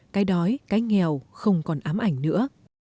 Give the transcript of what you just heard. cái đói cái nghèo không còn ám ảnh nữa